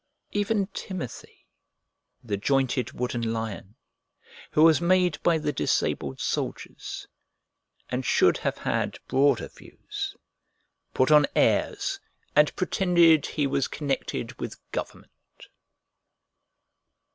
Even Timothy, the jointed wooden lion, who was made by the disabled soldiers, and should have had broader views, put on airs and pretended he was connected with Government.